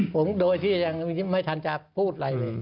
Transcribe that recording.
ผมโดยที่ยังไม่ทันจะพูด